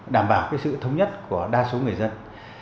đảm bảo sự thống nhất của đa số người dân